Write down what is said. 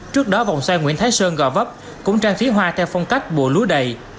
trước đó vòng xoay nguyễn thái sơn gò vấp cũng trang phía hoa theo phong cách bùa lúa đầy